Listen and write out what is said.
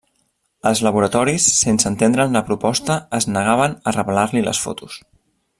Els laboratoris, sense entendre'n la proposta, es negaven a revelar-li les fotos.